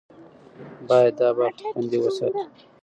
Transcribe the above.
باید دا برخه خوندي وساتو.